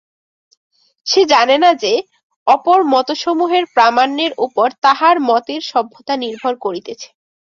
সে জানে না যে, অপর মতসমূহের প্রামাণ্যের উপর তাহার মতের সত্যতা নির্ভর করিতেছে।